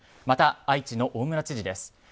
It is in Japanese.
また、愛知の大村知事です。